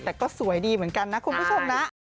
แต่ก็สวยดีเหมือนกันนะคุณผู้ชมนะ